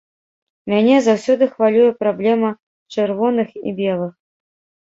Мяне заўсёды хвалюе праблема чырвоных і белых.